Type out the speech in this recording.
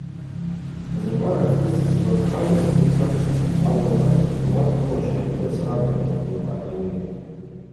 Зымгӏва рацкӏыс йсгвапхаз асабиква хӏшацхъвмаруаз акӏвпӏ, ауат рыуа щардагӏвы срабадыртӏ, – лхӏватӏ ауи.